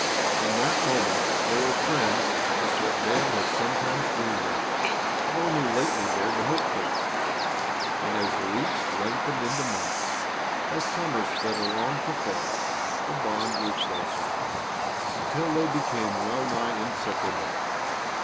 From that moment they were friends of the sort Dale had sometimes dreamed of, but only lately dared to hope for. And as the weeks lengthened into months, as summer sped along to fall, the bond grew closer, until they became well nigh inseparable.